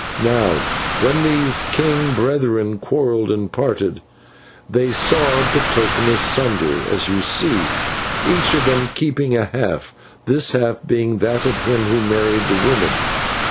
"Now when these king brethren quarrelled and parted, they sawed the token asunder, as you see, each of them keeping a half, this half being that of him who married the woman.